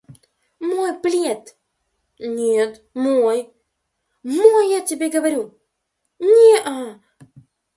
«Мой плед!» — «Нет мой!» — «Мой я тебе говорю!» — «Неа!»